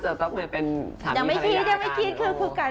จะตกมือเป็นสามีพระยา